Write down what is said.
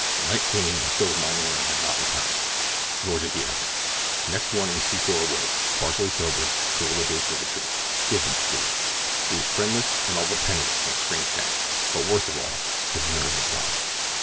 Night came, and still the mine owner had not returned—nor did he ever. Next morning Secor awoke, partially sobered, to a realization of the truth. He had been fleeced. He was friendless and all but penniless in a strange town; but, worst of all, his nerve was gone.